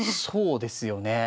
そうですよね。